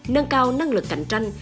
nâng cao năng lực cạnh tranh